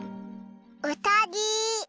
うさぎ。